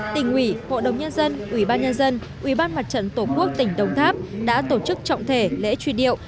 tỉnh ủy hội đồng nhân dân ủy ban nhân dân ủy ban mặt trận tổ quốc tỉnh đồng tháp đã tổ chức trọng thể lễ truy điệu